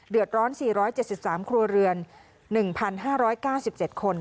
ร้อน๔๗๓ครัวเรือน๑๕๙๗คน